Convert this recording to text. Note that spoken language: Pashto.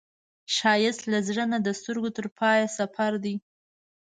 ښایست له زړه نه د سترګو تر پایه سفر دی